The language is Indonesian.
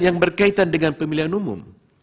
yang berkaitan dengan pemilihan umum